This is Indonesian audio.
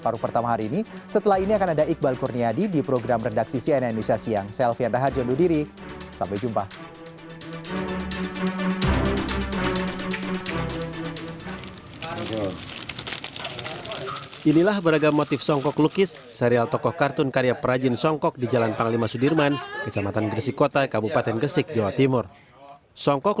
paru pertama hari ini setelah ini akan ada iqbal kurniadi di program redaksi cnn indonesia siang